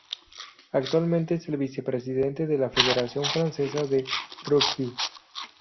Actualmente es el vicepresidente de la Federación Francesa de Rugby.